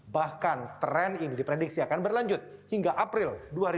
bahkan tren ini diprediksi akan berlanjut hingga april dua ribu dua puluh